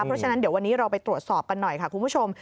เพราะฉะนั้นเดี๋ยววันนี้เราไปตรวจสอบกันหน่อยค่ะคุณผู้ชม